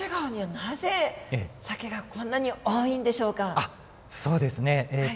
あっそうですねえっと